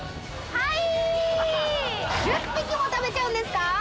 はい。